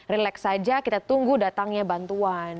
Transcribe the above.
relax saja kita tunggu datangnya bantuan